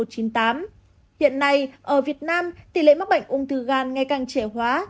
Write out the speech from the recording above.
hiện nay ở việt nam tỷ lệ mắc bệnh ung thư gan ngày càng trẻ hóa